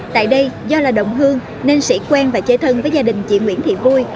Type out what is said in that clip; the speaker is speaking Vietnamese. tại đây do là đồng hương nên sĩ quen và chơi thân với gia đình chị nguyễn thị vui